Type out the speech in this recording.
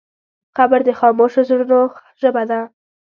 قبر د خاموشو زړونو ژبه ده.